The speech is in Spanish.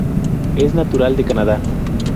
Es natural de Canadá.